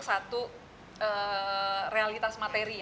satu realitas materi